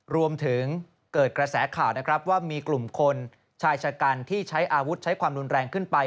รวมถึงเกิดกระแสข่าวนะครับว่ามีกลุ่มคนชายชะกันที่ใช้อาวุธใช้ความรุนแรงขึ้นไป